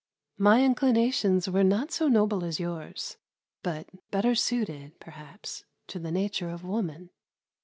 My inclinations were not so noble as yours, but better suited, perhaps, to the nature of woman.